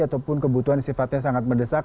ataupun kebutuhan sifatnya sangat mendesak